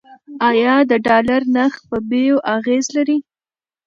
آیا د ډالر نرخ په بیو اغیز لري؟